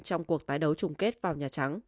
trong cuộc tái đấu trùng kết vào nhà trắng